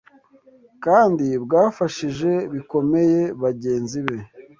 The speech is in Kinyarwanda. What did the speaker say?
kandi bwafashije bikomeye bagenzi be